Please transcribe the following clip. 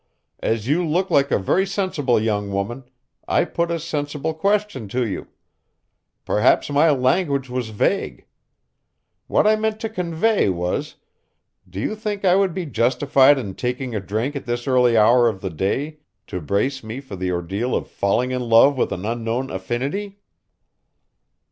As you look like a very sensible young woman, I put a sensible question to you. Perhaps my language was vague. What I meant to convey was: do you think I would be justified in taking a drink at this early hour of the day to brace me for the ordeal of falling in love with an unknown affinity?"